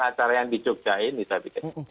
acara yang di jogja ini saya pikir